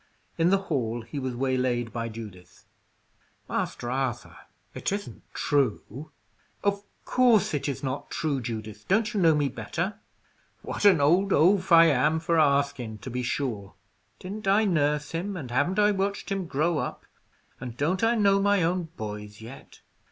In the hall he was waylaid by Judith. "Master Arthur, it isn't true?" "Of course it is not true, Judith. Don't you know me better?" "What an old oaf I am for asking, to be sure! Didn't I nurse him, and haven't I watched him grow up, and don't I know my own boys yet?"